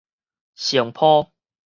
乘波